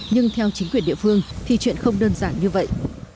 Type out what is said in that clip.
nhưng theo chính quyền địa phương thì chuyện không đơn giản như vậy